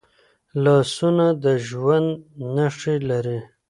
لاسونه د ژوند نښې لري